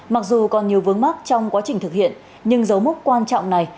mặc dù còn nhiều vướng mắt trong quá trình thực hiện nhưng dấu mốc quan trọng này